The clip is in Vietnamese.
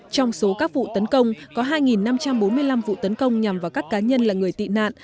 trong số các vụ tấn công có hai năm trăm bốn mươi năm vụ tấn công nhằm vào các cá nhân là người tị nạn